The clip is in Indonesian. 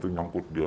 jadi nyangkut dia